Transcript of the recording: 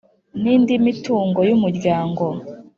N indi mitungo y umuryango